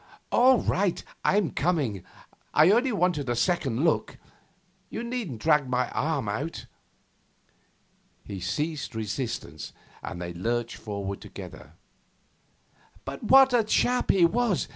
'All right, I'm coming. I only wanted to look a second. You needn't drag my arm out.' He ceased resistance, and they lurched forward together. 'But what a chap he was!